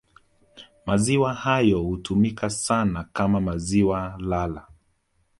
Maziwa hayo hutumika sana kama maziwa lala